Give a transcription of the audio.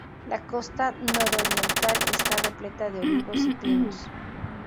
La costa nororiental está repleta de olivos y pinos.